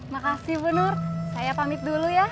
makasih bu nur saya pamit dulu ya